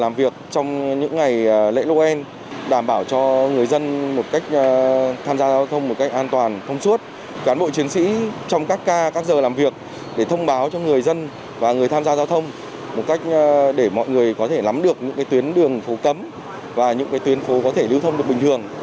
một cách để mọi người có thể lắm được những tuyến đường phố cấm và những tuyến phố có thể lưu thông được bình thường